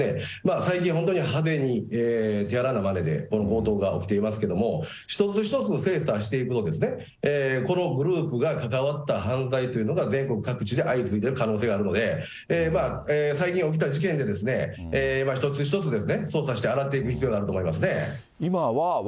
最近、本当に派手に手荒なまねでこの強盗が起きていますけれども、一つ一つ精査していくと、このグループが関わった犯罪というのが全国各地で相次いでる可能性があるので、最近起きた事件で、一つ一つ、捜査して、あらっていく必要があると思いますね。